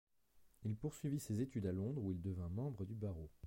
Il poursuivit ses études à Londres où il devint membre du barreau.